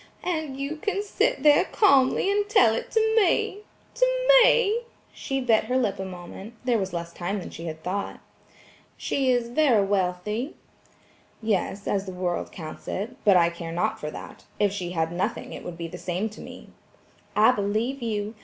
"And you can sit there calmly and tell it to me–to me–," she bit her lip a moment; there was less time than she had thought. "She is very wealthy?" "Yes, as the world counts it, but I care not for that; if she had nothing it would be the same to me." "I believe you.